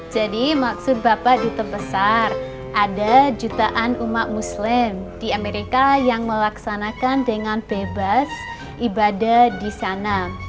jadi maksud bapak di terbesar ada jutaan umat muslim di amerika yang melaksanakan dengan bebas ibadah di sana